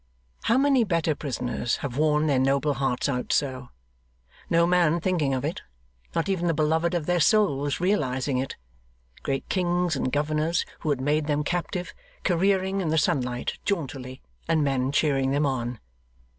How many better prisoners have worn their noble hearts out so; no man thinking of it; not even the beloved of their souls realising it; great kings and governors, who had made them captive, careering in the sunlight jauntily, and men cheering them on.